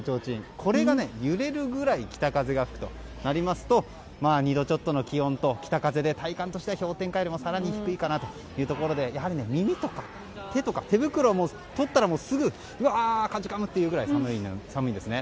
これが揺れるぐらい北風が吹くとなりますと２度ちょっとの気温と北風で体感としては氷点下より更に低いかなというところで耳とか手とか手袋を取ったら、すぐかじかむというぐらい寒いですね。